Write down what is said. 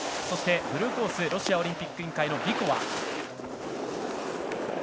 そしてブルーコースロシアオリンピック委員会のビコワ。